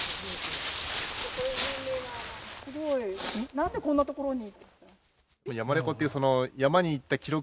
なんでこんなところに？